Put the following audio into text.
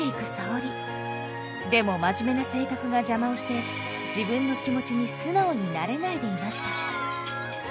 でも真面目な性格が邪魔をして自分の気持ちに素直になれないでいました。